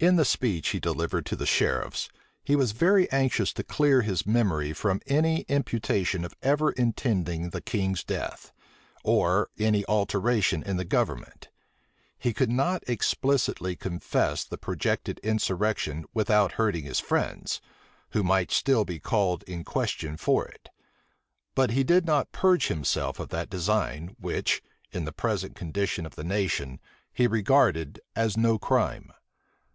In the speech which he delivered to the sheriffs, he was very anxious to clear his memory from any imputation of ever intending the king's death, or any alteration in the government: he could not explicitly confess the projected insurrection without hurting his friends, who might still be called in question for it; but he did not purge himself of that design, which, in the present condition of the nation, he regarded as no crime.